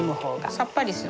さっぱりする。